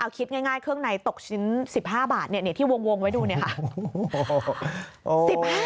คิดง่ายเครื่องในตกชิ้น๑๕บาทที่วงไว้ดูเนี่ยค่ะ